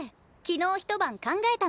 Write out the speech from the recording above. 昨日一晩考えたの。